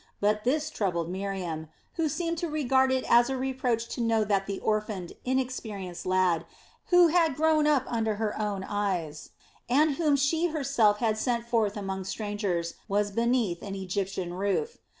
But this troubled Miriam, who seemed to regard it as a reproach to know that the orphaned, inexperienced lad, who had grown up under her own eyes and whom she herself had sent forth among strangers, was beneath an Egyptian roof.